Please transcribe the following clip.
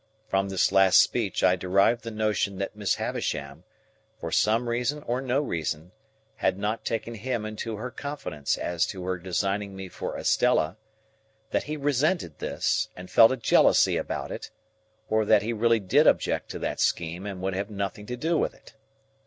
From this last speech I derived the notion that Miss Havisham, for some reason or no reason, had not taken him into her confidence as to her designing me for Estella; that he resented this, and felt a jealousy about it; or that he really did object to that scheme, and would have nothing to do with it.